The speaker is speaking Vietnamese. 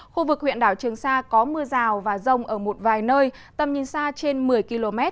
khu vực huyện đảo trường sa có mưa rào và rông ở một vài nơi tầm nhìn xa trên một mươi km